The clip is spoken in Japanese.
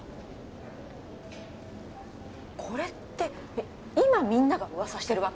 これって今みんなが噂してるわけ？